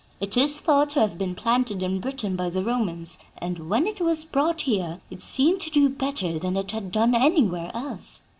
It is thought to have been planted in Britain by the Romans; and when it was brought here, it seemed to do better than it had done anywhere else.